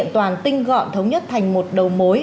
mà tinh gọn thống nhất thành một đầu mối